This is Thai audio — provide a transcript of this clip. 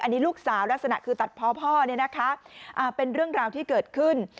อันนี้ลูกสาวลักษณะคือตัดพ่อเป็นเรื่องราวที่เกิดขึ้น